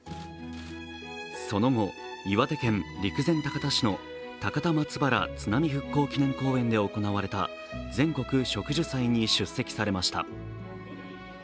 その後、岩手県陸前高田市の高田松原津波復興祈念公園で行われた全国植樹祭に出席されました。